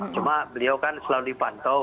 cuma beliau kan selalu dipantau